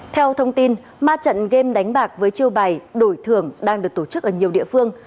theo thông tin ma trận game đánh bạc với chiêu bài đổi thưởng đang được tổ chức ở nhiều địa phương